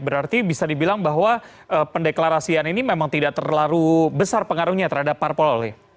jadi bisa dibilang bahwa pendeklarasian ini memang tidak terlalu besar pengaruhnya terhadap parpol